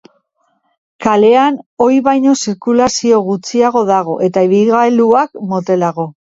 Kalean ohi baino zirkulazio gutxiago dago, eta ibilgailuak motelago.